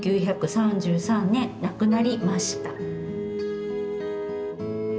１９３３年なくなりました」。